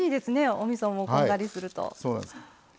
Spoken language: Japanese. おみそもこんがりすると。